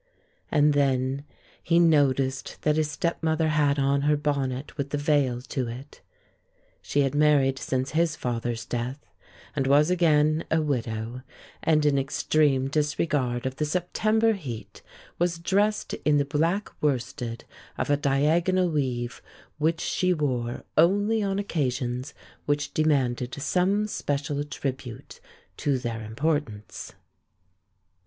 And then he noticed that his stepmother had on her bonnet with the veil to it she had married since his father's death and was again a widow, and, in extreme disregard of the September heat, was dressed in the black worsted of a diagonal weave which she wore only on occasions which demanded some special tribute to their importance.